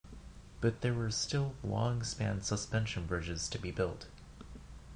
But there were still long span suspension bridges to be built.